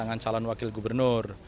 dengan calon wakil gubernur